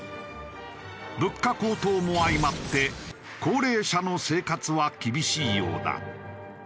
物価高騰も相まって高齢者の生活は厳しいようだ。